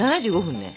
７５分ね